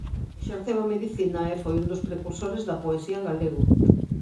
Exerceu a medicina e foi un dos precursores da poesía en galego.